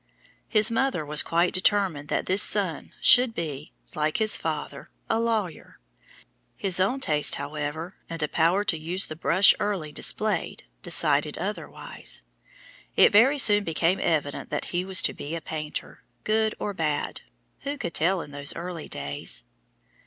His mother was quite determined that this son should be, like his father, a lawyer. His own tastes, however, and a power to use the brush early displayed, decided otherwise. It very soon became evident that he was to be a painter good or bad who could tell in those early days?